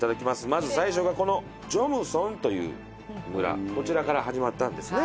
まず、最初がこのジョムソンという村こちらから始まったんですね。